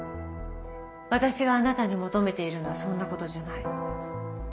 私があなたに求めているのはそんなことじゃない。